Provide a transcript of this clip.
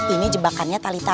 ini jebakannya tali terang